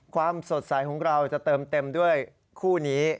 ความสดใสของเราจะเติมเต็มด้วยคู่นี้